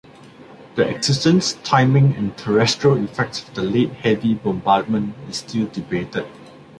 The existence, timing, and terrestrial effects of the Late Heavy Bombardment is still debated.